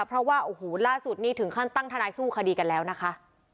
เพราะว่าโอ้โหล่าสุดนี่ถึงขั้นตั้งทนายสู้คดีกันแล้วนะคะ